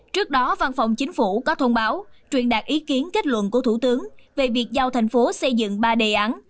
trước đó văn phòng chính phủ có thông báo truyền đạt ý kiến kết luận của thủ tướng về việc giao thành phố xây dựng ba đề án